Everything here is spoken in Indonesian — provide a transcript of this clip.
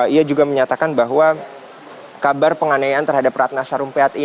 ia juga menyatakan bahwa kabar penganian terhadap ratna sarompait